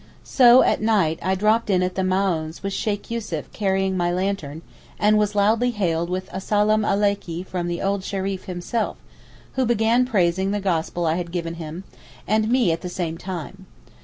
So at night I dropped in at the Maōhn's with Sheykh Yussuf carrying my lantern—and was loudly hailed with a Salaam Aleykee from the old Shereef himself—who began praising the Gospel I had given him, and me at the same time.